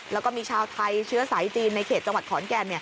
แล้วก็มีชาวไทยเชื้อสายจีนในเขตจังหวัดขอนแก่น